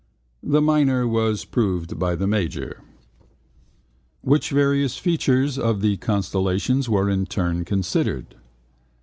The minor was proved by the major. Which various features of the constellations were in turn considered?